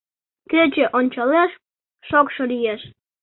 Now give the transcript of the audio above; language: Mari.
Кече ончалеш, шокшо лиеш.